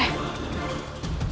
bagaimana kau bisa berbicara